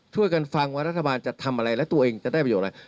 ช่วยกันฟังว่ารัฐบาลจะทำอะไรและตัวเองจะได้ประโยชน์อะไร